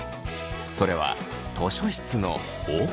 それは図書室の奥。